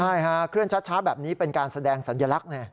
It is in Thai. ใช่ฮะเคลื่อนช้าแบบนี้เป็นการแสดงสัญลักษณ์